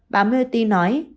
bà murthy nói